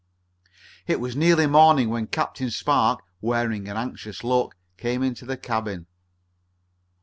It was nearly morning when Captain Spark, wearing an anxious look, came into the cabin.